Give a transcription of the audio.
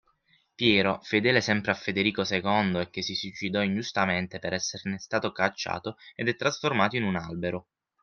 Piero fedele sempre a Federico II e che si suicidò ingiustamente per esserne stato cacciato ed è trasformato in un albero.